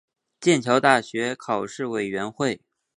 剑桥大学考试委员会